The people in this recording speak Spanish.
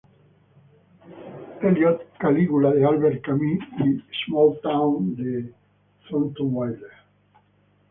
Eliot, "Calígula", de Albert Camus, y "Small Town", de Thornton Wilder.